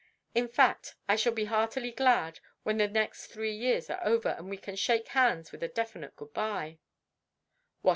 In fact, I shall be heartily glad when the next three years are over, and we can shake hands with a definite good bye."